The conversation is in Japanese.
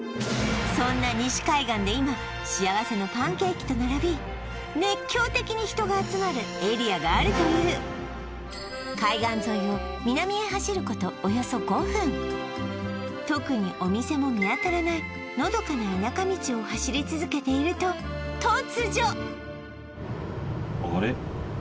そんな西海岸で今幸せのパンケーキとならび熱狂的に人が集まるエリアがあるという海岸沿いを南へ走ることおよそ５分特にお店も見当たらないのどかな田舎道を走り続けていると突如！